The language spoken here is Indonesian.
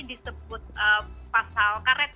disebut pasal karet